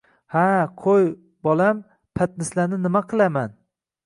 Ha qo’y bolam artislani nima qilaman.